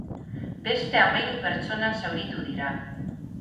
Beste hamahiru pertsona zauritu dira.